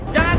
siap om j